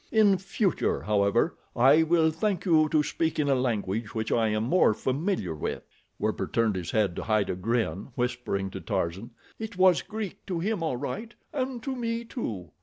In future, however, I will thank you to speak in a language which I am more familiar with." Werper turned his head to hide a grin, whispering to Tarzan: "It was Greek to him all right—and to me, too."